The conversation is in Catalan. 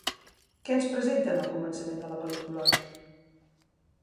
Què ens presenten al començament de la pel·lícula?